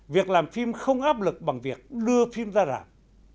việc làm phim không áp lực bằng việc đưa phim ra rạp